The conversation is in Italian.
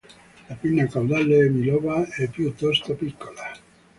La pinna caudale è biloba e piuttosto piccola.